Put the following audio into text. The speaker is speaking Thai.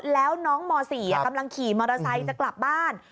แล้วน้องม๔กำลังขี่มอเตอร์ไซค์จะกลับบ้าน